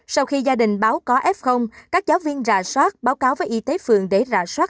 sau khi gia đình báo có f các giáo viên rà soát báo cáo với y tế phường để rà soát